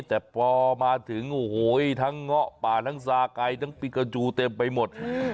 แต่พอมาถึงโอ้โหทั้งเงาะป่าทั้งซาไก่ทั้งปิกาจูเต็มไปหมด